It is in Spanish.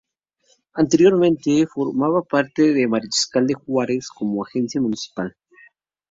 Anteriormente formaba parte de Mariscala de Juárez como agencia municipal.